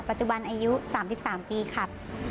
ปัจจุบันอายุ๓๓ปีค่ะ